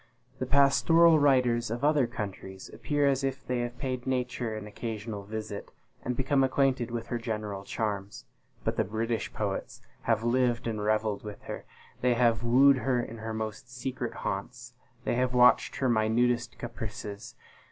The pastoral writers of other countries appear as if they had paid Nature an occasional visit, and become acquainted with her general charms; but the British poets have lived and revelled with her they have wooed her in her most secret haunts they have watched her minutest caprices.